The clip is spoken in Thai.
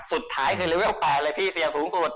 สุดท้ายคือเลเวล๘เลยพี่เฟียสูงสุด